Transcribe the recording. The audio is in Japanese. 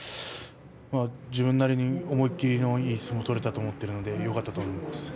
自分なりに思い切りのいい相撲が取れたと思いますのでよかったと思います。